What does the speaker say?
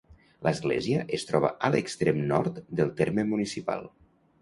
L'església es troba a l'extrem nord del terme municipal.